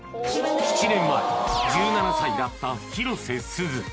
７年前１７歳だった広瀬すず